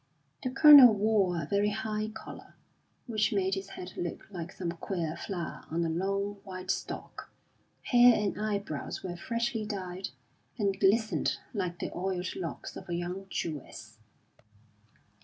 The Colonel wore a very high collar, which made his head look like some queer flower on a long white stalk; hair and eyebrows were freshly dyed, and glistened like the oiled locks of a young Jewess.